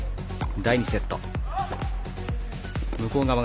第２セット。